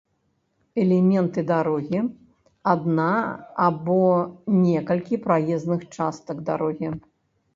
Элементы дарогі — адна або некалькі праезных частак дарогі